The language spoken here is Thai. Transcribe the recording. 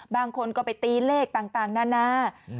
บางคนก็ไปตีเลขต่างนานา